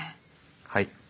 はい。